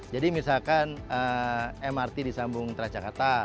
jadi misalkan mrt disambung transjakarta